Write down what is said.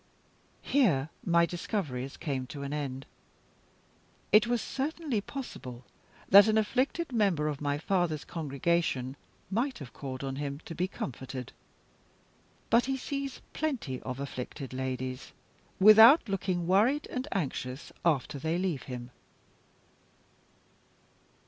Here my discoveries came to an end. It was certainly possible that an afflicted member of my father's congregation might have called on him to be comforted. But he sees plenty of afflicted ladies, without looking worried and anxious after they leave him.